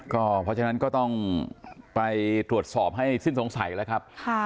เพราะฉะนั้นก็ต้องไปตรวจสอบให้สิ้นสงสัยแล้วครับ